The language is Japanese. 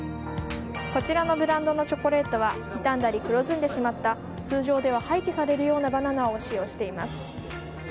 こちらのブランドのチョコレートは傷んだり黒ずんでしまった通常では廃棄されるようなバナナを使用しています。